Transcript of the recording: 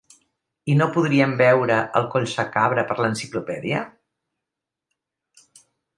I no podríem veure el Collsacabra per l'enciclopèdia?